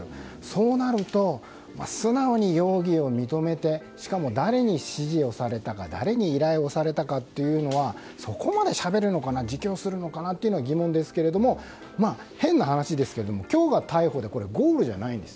そうなると素直に容疑を認めてしかも、誰に指示をされたか誰に依頼をされたかというのはそこまでしゃべるのかな自供するのかなというのは疑問ですけれども変な話、今日が逮捕でゴールじゃない。